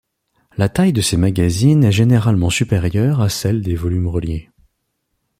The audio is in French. La taille de ces magazines est généralement supérieure à celle des volumes reliés.